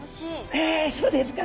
えそうですか！